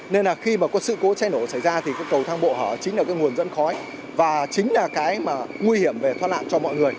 nên là khi mà có sự cố cháy nổ xảy ra thì cái cầu thang bộ hở chính là cái nguồn dẫn khói và chính là cái mà nguy hiểm về thoát nạn cho mọi người